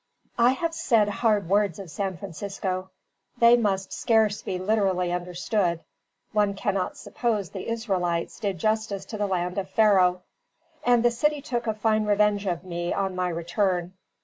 I have said hard words of San Francisco; they must scarce be literally understood (one cannot suppose the Israelites did justice to the land of Pharaoh); and the city took a fine revenge of me on my return.